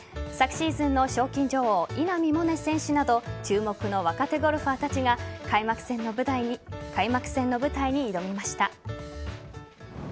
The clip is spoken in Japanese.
昨シーズンの賞金女王稲見萌寧選手など注目の若手ゴルファーたちが開幕戦の舞台に挑みました。